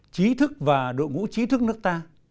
chí thức và đội ngũ chí thức nước ta